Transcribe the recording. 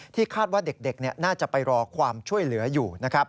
ที่คาดว่าเด็กน่าจะไปรอความช่วยเหลืออยู่